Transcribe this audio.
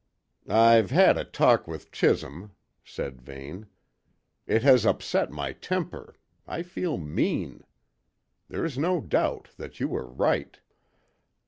"I've had a talk with Chisholm," said Vane. "It has upset my temper I feel mean. There's no doubt that you were right."